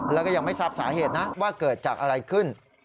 แล้วก็ยังไม่ทราบสาเหตุนะว่าเกิดจากอะไรขึ้น